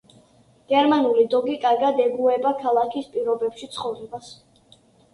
გერმანული დოგი კარგად ეგუება ქალაქის პირობებში ცხოვრებას.